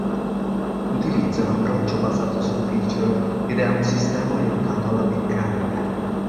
Utilizza un approccio basato su feature ed è un sistema orientato alla meccanica.